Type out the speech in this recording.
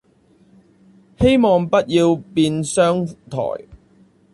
希望不要變雙颱